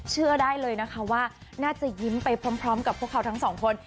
เชื่อได้เลยนะคะว่าน่าจะยิ้มไปพร้อมกับพวกเขาทั้งสองคน